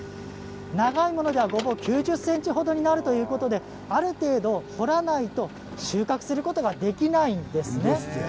長いものではごぼうは９０ｃｍ程になるということである程度、掘らないと収穫することができないんですね。